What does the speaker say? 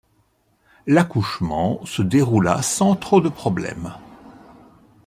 L'accouchement se déroula sans trop de problèmes.